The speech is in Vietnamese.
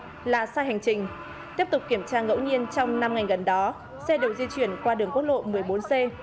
xe khách đã xa hành trình tiếp tục kiểm tra ngẫu nhiên trong năm ngày gần đó xe đều di chuyển qua đường quốc lộ một mươi bốn c